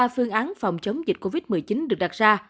ba phương án phòng chống dịch covid một mươi chín được đặt ra